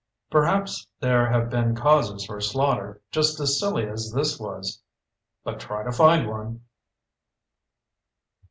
] Perhaps there have been causes for slaughter just as silly as this was but try to find one!